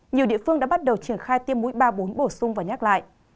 nhiều địa phương đã bắt đầu triển khai tiêm mũi ba bốn bổ sung và nhắc lại